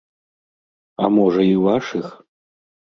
А можа і вашых?